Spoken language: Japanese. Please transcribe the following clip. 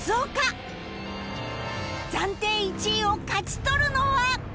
暫定１位を勝ち取るのは